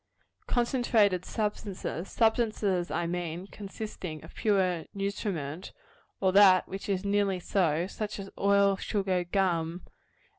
Concentrated substances substances, I mean, consisting of pure nutriment, or that which is nearly so such as oil, sugar, gum, &c.